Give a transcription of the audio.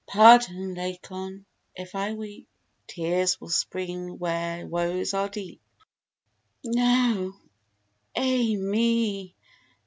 Pardon, Lacon, if I weep; Tears will spring where woes are deep. Now, ai me!